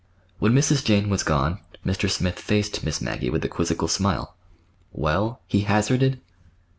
When Mrs. Jane was gone, Mr. Smith faced Miss Maggie with a quizzical smile. "Well?" he hazarded.